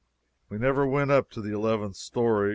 We never went up to the eleventh story.